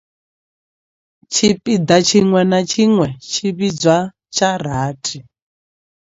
Tshipiḓa tshiṅwe na tshiṅwe tshi vhidzwa tsharathi.